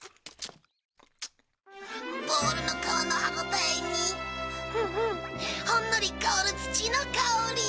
ボールの革の歯ごたえにほんのり香る土の香り。